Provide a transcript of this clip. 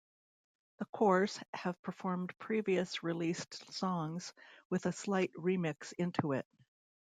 The Corrs have performed previous released songs with a slight remix into it.